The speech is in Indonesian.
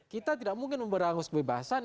kita tidak mungkin memberangus kebebasan